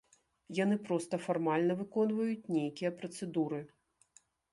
Яны проста фармальна выконваюць нейкія працэдуры.